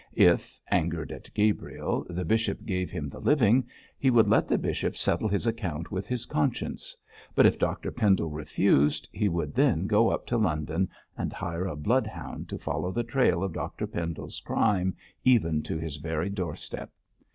If, angered at Gabriel, the bishop gave him the living, he would let the bishop settle his account with his conscience, but if Dr Pendle refused, he would then go up to London and hire a bloodhound to follow the trail of Dr Pendle's crime even to his very doorstep.